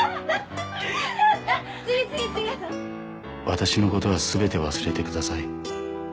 「私のことはすべて忘れてください」